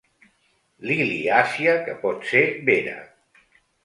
Liliàcia que pot ser vera.